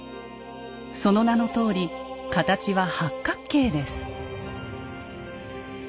その名のとおり形は八角形です。